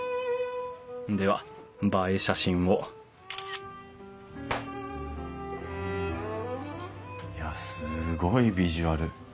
では映え写真をいやすごいビジュアル。